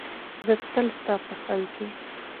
زه تل ستا په څنګ کې یم.